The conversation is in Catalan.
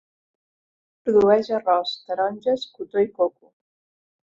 Produeix arròs, taronges, cotó i coco.